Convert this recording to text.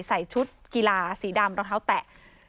ใส่ชุดกีฬาสีดำรองเท้าแตะ